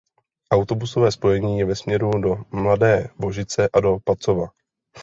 Autobusové spojení je ve směru do Mladé Vožice a do Pacova.